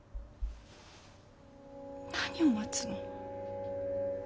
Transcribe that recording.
何を待つの？